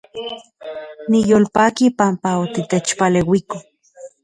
Niyolpaki panpa otitechpaleuiko